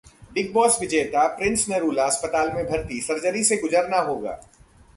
big Boss विजेता Prince Narula अस्पताल में भर्ती, सर्जरी से गुजरना होगा